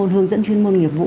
hướng dẫn chuyên môn nghiệp vụ